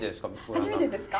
初めてですか？